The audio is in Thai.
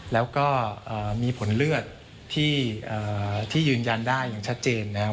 แล้วก็มีผลเลือดที่ยืนยันได้อย่างชัดเจนนะครับ